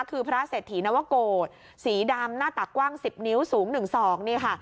คือพระเศรษฐีนวโกรธสีดำหน้าตักกว้าง๑๐นิ้วสูง๑๒นี่ค่ะ